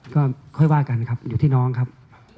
ก็ค่อยว่ากันครับอยู่ที่น้องครับ